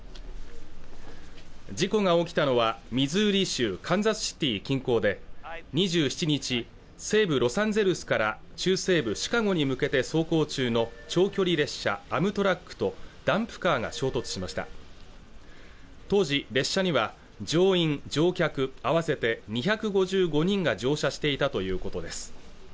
事故が起きたのはミズーリ州カンザスシティー近郊で２７日西部ロサンゼルスから中西部シカゴに向けて走行中の長距離列車アムトラックとダンプカーが衝突しました当時列車には乗員乗客合わせて２５５人が乗車していたということです